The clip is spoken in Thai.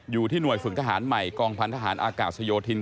อยู่ที่หน่วยฝึกทหารใหม่กองพันธหารอากาศโยธิน